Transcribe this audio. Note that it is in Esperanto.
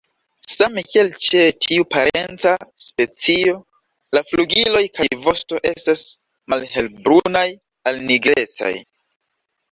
Same kiel ĉe tiu parenca specio, la flugiloj kaj vosto estas malhelbrunaj al nigrecaj.